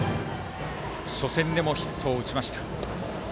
初戦でもヒットを打ちました。